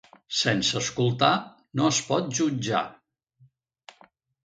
Sense escoltar no es pot jutjar.